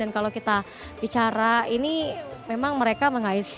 dan kalau kita bicara ini memang mereka mengais